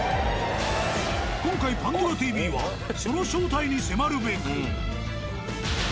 今回「パンドラＴＶ」はその正体に迫るべく。